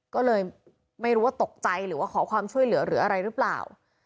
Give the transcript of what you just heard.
ก็เลยไม่รู้ว่าตกใจหรือว่าขอความช่วยเหลือหรืออะไรหรือเปล่า